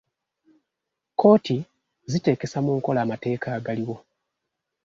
Kkooti ziteekesa mu nkola amateeka agaliwo.